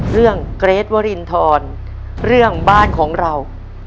เกรทวรินทรเรื่องบ้านของเรา